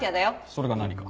それが何か？